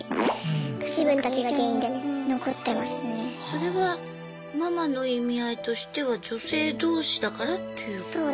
それはママの意味合いとしては女性どうしだからっていうことか。